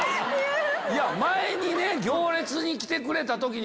前に『行列』に来てくれた時に。